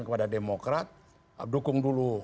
kepada demokrat dukung dulu